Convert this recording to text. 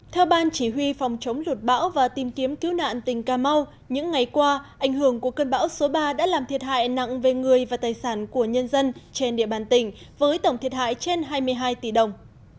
theo ban chỉ huy phòng chống lụt bão và tìm kiếm cứu nạn tỉnh cà mau những ngày qua ảnh hưởng của cơn bão số ba đã làm thiệt hại nặng về người và tài sản của nhân dân trên địa bàn tỉnh với tổng thiệt hại trên hai mươi hai tỷ đồng